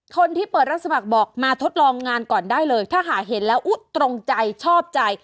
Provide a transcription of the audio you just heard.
คนที่เปิดรับสมัครบอกมาทดลองงานก่อนได้เลยถ้าหาเห็นแล้วอุ๊ยตรงใจชอบใจ